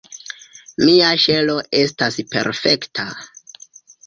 Mia ŝelo estas perfekta.